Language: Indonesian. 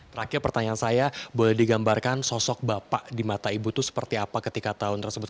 terakhir pertanyaan saya boleh digambarkan sosok bapak di mata ibu itu seperti apa ketika tahun tersebut